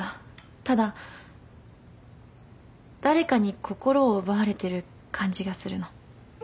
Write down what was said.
ただ誰かに心を奪われてる感じがするの。